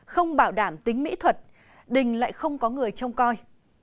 không bảo đảm tính mỹ thuật đình lại không có người trông coi